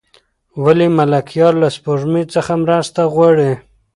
ولې ملکیار له سپوږمۍ څخه مرسته غواړي؟